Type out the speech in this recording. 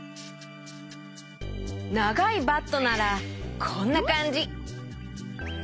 ながいバットならこんなかんじ。